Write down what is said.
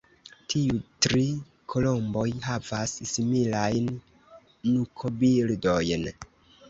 Tiu tri kolomboj havas similajn nukobildojn.